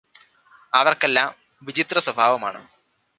അവർക്കെല്ലാം വിചിത്രസ്വഭാവമാണ്